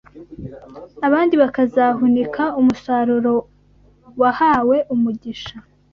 abandi bakazahunika umusaruro wahawe umugisha